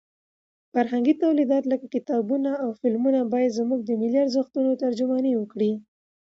فرهنګي تولیدات لکه کتابونه او فلمونه باید زموږ د ملي ارزښتونو ترجماني وکړي.